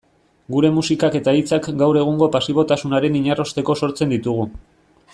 Gure musikak eta hitzak gaur egungo pasibotasunaren inarrosteko sortzen ditugu.